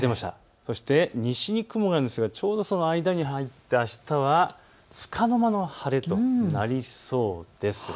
そして西に雲があるんですが、ちょうどその間に入ってあしたはつかの間の晴れとなりそうです。